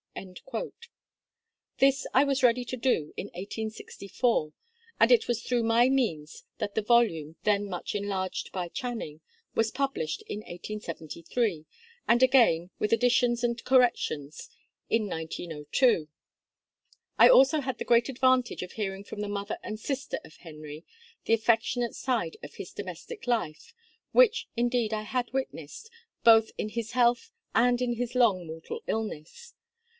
This I was ready to do in 1864; and it was through my means that the volume, then much enlarged by Channing, was published in 1873, and again, with additions and corrections, in 1902. I had also the great advantage of hearing from the mother and sister of Henry the affectionate side of his domestic life, which indeed I had witnessed, both in his health and in his long mortal illness.